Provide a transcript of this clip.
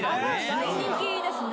大人気ですね。